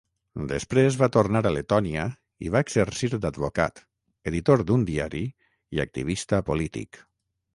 Després va tornar a Letònia i va exercir d'advocat, editor d'un diari i activista polític.